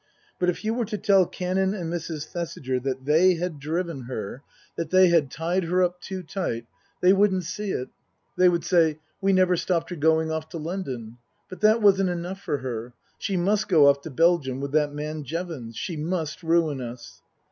But if you were to tell Canon and Mrs. Thesiger that they had driven her, that Book I : My Book 95 they had tied her up too tight, they wouldn't see it. They would say :" We never stopped her going off to London. But that wasn't enough for her. She must go off to Belgium with that man Jevons. She must ruin us."